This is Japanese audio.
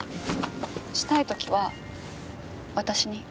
したい時は私に。